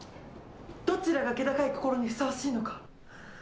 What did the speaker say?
どちらが気高い心にふさわしいのか。